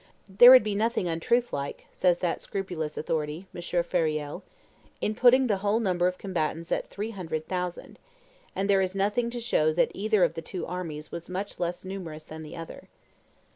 "There would be nothing untruthlike," says that scrupulous authority, M. Fauriel, "in putting the whole number of combatants at three hundred thousand; and there is nothing to show that either of the two armies was much less numerous than the other."